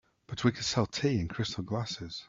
But we could sell tea in crystal glasses.